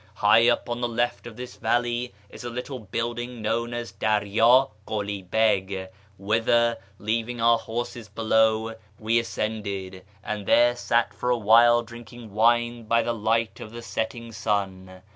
High up on the left of this valley is a little building known as Darya Kuli Beg, whither, leaving our horses below, we ascended, and there sat for a while drinking wine by the light of the setting sun.